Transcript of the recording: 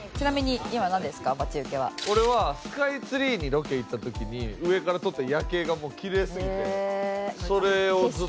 俺はスカイツリーにロケ行った時に上から撮った夜景がもうきれいすぎてそれをずっと。